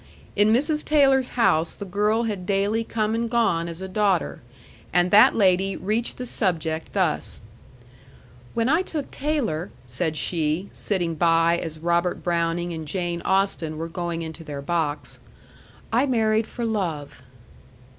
In Mrs. Taylor's house the girl had daily come and gone as a daughter, and that lady reached the subject thus: "When I took Taylor," said she, sitting by as Robert Browning and Jane Austen were going into their box, "I married for love."